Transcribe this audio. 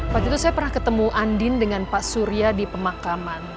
waktu itu saya pernah ketemu andin dengan pak surya di pemakaman